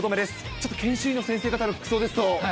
ちょっと研修医の先生方の服装ですと。